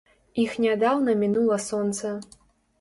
Іх нядаўна мінула сонца.